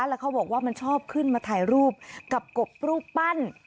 แล้วเขาบอกว่ามันชอบขึ้นมาถ่ายรูปกับกบรูปปั้น